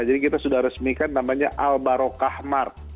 jadi kita sudah resmikan namanya albaro kahmar